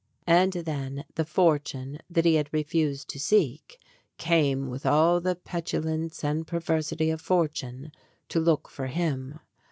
And then the fortune that he had refused to seek came with all the petulance and perversity of fortune to look for him.